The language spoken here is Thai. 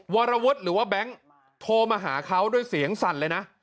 วรวุฒิหรือว่าแบงค์โทรมาหาเขาด้วยเสียงสั่นเลยนะ